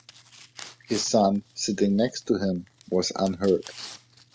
His son, sitting next to him, was unhurt.